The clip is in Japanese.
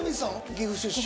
岐阜出身？